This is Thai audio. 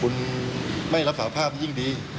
คุณไม่รับสาธารณ์ภาพนี่ยิ่งดี